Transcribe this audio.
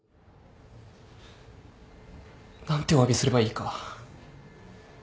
何ておわびすればいいか。